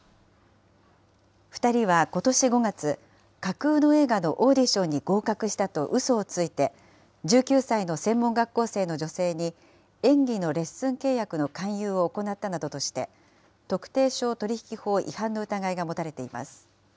２人はことし５月、架空の映画のオーディションに合格したとうそをついて、１９歳の専門学校生の女性に演技のレッスン契約の勧誘を行ったなどとして、特定商取引法違反の疑いが持たれています。